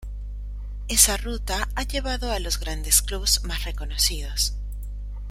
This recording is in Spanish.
Esa ruta ha llevado a los grandes clubs más reconocidos.